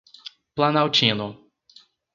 Planaltino